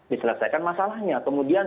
diselesaikan masalahnya kemudian